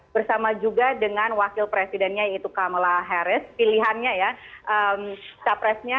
bersama juga dengan wakil presidennya yaitu kamala harris pilihannya ya capresnya